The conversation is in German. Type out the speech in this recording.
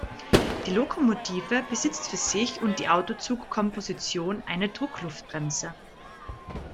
Die Lokomotive besitzt für sich und die Autozug-Komposition eine Druckluftbremse.